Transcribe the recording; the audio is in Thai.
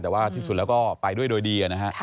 แต่ว่าที่สุดแล้วก็ไปด้วยโดยดีนะฮะ